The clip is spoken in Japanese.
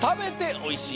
おいしい！